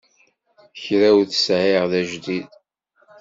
Kra ur t-sεiɣ d ajdid.